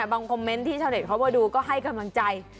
คอมเมนต์ที่ชาวเน็ตเขามาดูก็ให้กำลังใจ